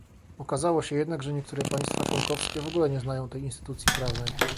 Okazało się jednak, że niektóre państwa członkowskie w ogóle nie znają tej instytucji prawnej